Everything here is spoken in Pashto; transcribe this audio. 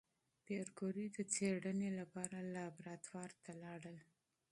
پېیر کوري د څېړنې لپاره لابراتوار ته لاړ.